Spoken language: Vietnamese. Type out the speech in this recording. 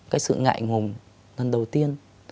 cái sự ngại ngùng lần đầu tiên